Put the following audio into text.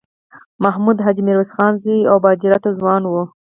محمود حاجي میرویس خان زوی او با جرئته ځوان و.